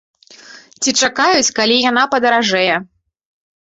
Ці чакаюць, калі яна падаражэе.